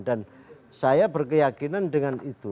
dan saya berkeyakinan dengan itu